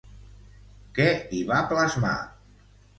Què hi va plasmar?